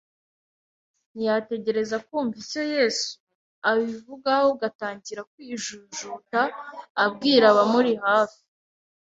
ntiyategereza kumva icyo Yesu abigwaho ahubwo atangira kwijujuta abwira abamuri hafi